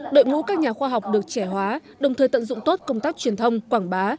đội ngũ các nhà khoa học được trẻ hóa đồng thời tận dụng tốt công tác truyền thông quảng bá